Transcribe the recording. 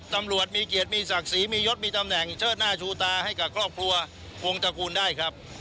ตำรวจมีเกียรติมีศักดิ์ศรีมียศมีตำแหน่งเชิดหน้าชูตาให้กับครอบครัวพงตระกูลได้ครับ